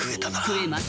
食えます。